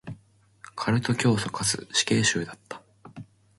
カルト教祖かつ死刑囚だった。